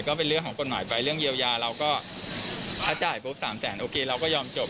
ก็เป็นเรื่องของกฎหมายไปเรื่องเยียวยาเราก็ถ้าจ่ายปุ๊บสามแสนโอเคเราก็ยอมจบ